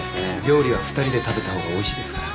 料理は２人で食べたほうがおいしいですから。